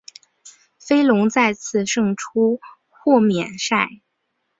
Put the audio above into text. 飞龙再次胜出豁免赛。